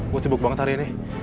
gue sibuk banget hari ini